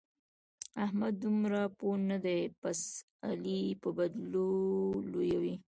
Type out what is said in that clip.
احمد دومره پوه نه دی؛ بس علي يې به بدلو لويوي.